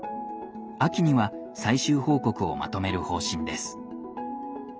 秋には最終報告をまとめる方針です。